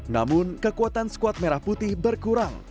namun kekuatan skuad merah putih berkurang